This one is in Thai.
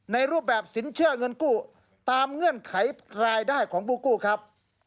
รูปแบบสินเชื่อเงินกู้ตามเงื่อนไขรายได้ของผู้กู้ครับ